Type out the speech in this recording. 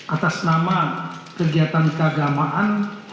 atas nama kegiatan keagamaan